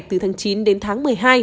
từ tháng chín đến tháng một mươi hai